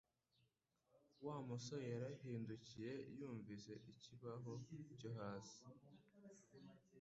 Wa musore yarahindukiye yumvise ikibaho cyo hasi